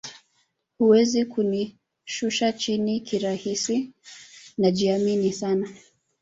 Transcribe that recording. Huwezi kunishusha chini kirahisi najiamini sana